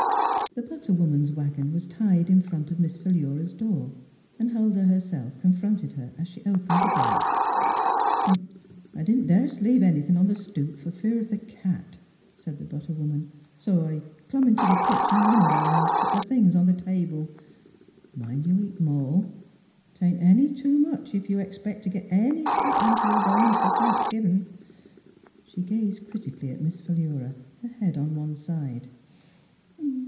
The butter woman's wagon was tied in front of Miss Philura's door, and Huldah herself confronted her as she opened the gate. " I didn't das t' leave anything on the stoop for fear of the cat," said the but ter woman, " so I dumb int' the kitchen window an' put the things on the table. Mind you eat 'em all. 'Tain't any too much if you expect t' get any fat ont' your bones b' Thanksgivin'." She gazed critically at Miss Philura, her head on one side.